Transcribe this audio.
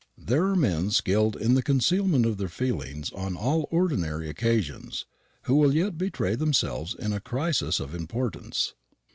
There are men skilled in the concealment of their feelings on all ordinary occasions, who will yet betray themselves in a crisis of importance.